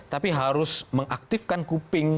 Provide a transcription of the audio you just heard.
tapi harus mengaktifkan kuping